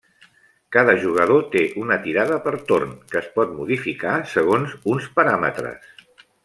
Cada jugador té una tirada per torn, que es pot modificar segons uns paràmetres.